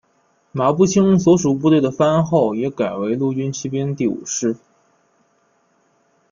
马步青所属部队的番号也改为陆军骑兵第五师。